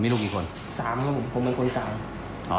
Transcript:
มีลูกกี่คน๓ครับผมผมเป็นคนกลาง